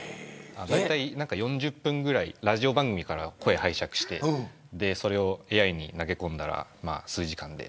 ４０分ぐらいラジオ番組から声を拝借してそれをＡＩに投げ込んだら数時間で。